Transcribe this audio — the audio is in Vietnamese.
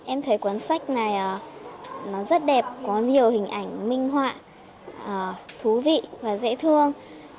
em thấy cuốn sách này nó rất đẹp có nhiều hình ảnh minh họa thú vị và dễ thương